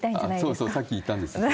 そうそう、さっき言ったんですけどね。